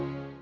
oh sama aja